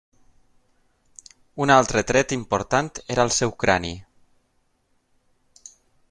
Un altre tret important era el seu crani.